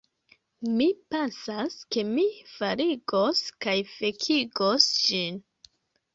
Mi pensas, ke mi faligos kaj fekigos ĝin